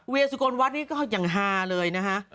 เวียสุโกนวัดนี่ก็อย่างหาเลยนะฮะ